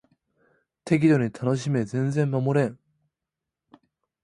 適度に楽しめ全然守れん